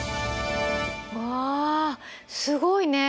わすごいね！